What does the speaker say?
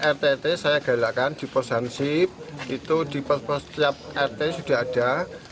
rt rt saya galakkan di pos hansip itu di pos pos tiap rt sudah ada